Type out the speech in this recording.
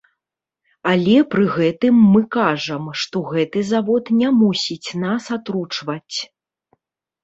Але пры гэтым мы кажам, што гэты завод не мусіць нас атручваць.